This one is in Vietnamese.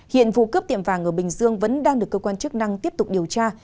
hiện vụ cướp tiệm vàng ở bình dương vẫn đang được cơ quan chức năng tiếp tục điều tra